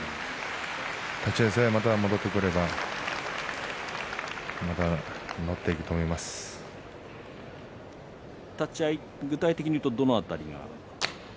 立ち合いさえ戻ってくれば立ち合い、具体的に言うとどの辺りが？